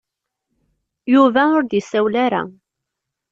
Yuba ur d-yessawel ara.